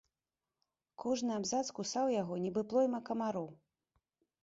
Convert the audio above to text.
Кожны абзац кусаў яго, нібы плойма камароў.